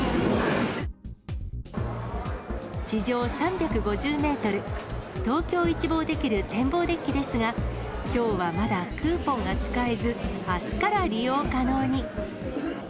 地上３５０メートル、東京を一望できる展望デッキですが、きょうはまだクーポンが使えず、あすから利用可能に。